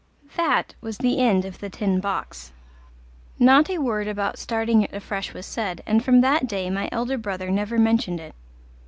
That was the end of The Tin Box; not a word about starting it afresh was said, and from that day my elder brother never mentioned it.